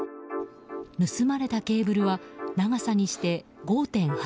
盗まれたケーブルは長さにして５．８ｋｍ。